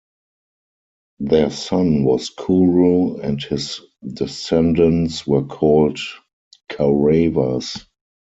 Their son was Kuru and his descendants were called Kauravas.